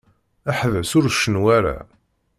Ḥbes ur cennu ara.